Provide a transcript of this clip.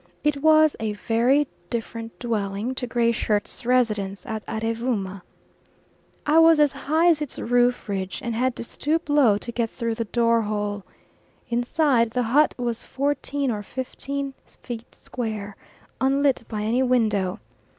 It was a very different dwelling to Gray Shirt's residence at Arevooma. I was as high as its roof ridge and had to stoop low to get through the door hole. Inside, the hut was fourteen or fifteen feet square, unlit by any window.